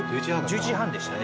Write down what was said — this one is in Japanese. １１時半でしたね。